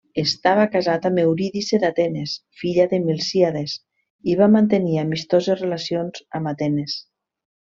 Estava casat amb Eurídice d'Atenes, filla de Milcíades, i va mantenir amistoses relacions amb Atenes.